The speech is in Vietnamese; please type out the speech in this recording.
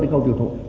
đến câu truyền thống